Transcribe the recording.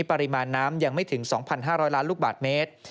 ปริมาณน้ำยังไม่ถึง๒๕๐๐ล้านลูกบาทเมตร